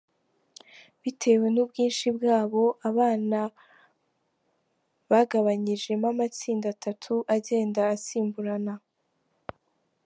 Bitewe n’ubwinshi bwabo, abana bagabanyijemo amatsinda atatu agenda asimburana.